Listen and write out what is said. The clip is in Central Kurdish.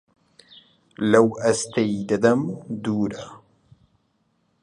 لەو ئەستی دەدەم دوڕە